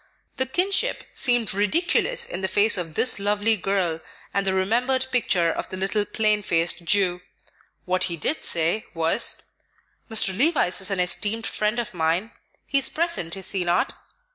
The kinship seemed ridiculous in the face of this lovely girl and the remembered picture of the little plain faced Jew. What he did say was, "Mr. Levice is an esteemed friend of mine. He is present, is he not?"